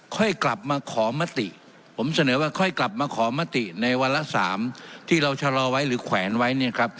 ค่อยกลับมาขอมติผมเสนอว่าค่อยกลับมาขอมติในวาระ๓ที่เราชะลอไว้หรือแขวนไว้เนี่ยครับ